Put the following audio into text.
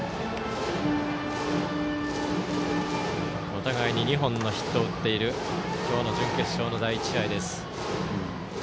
お互いに２本のヒットを打っている今日の準決勝の第１試合です。